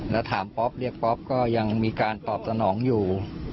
แล้วถามป๊อปเรียกป๊อปก็ยังมีการตอบสนองอยู่